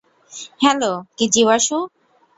Hello, কিজি বাসু।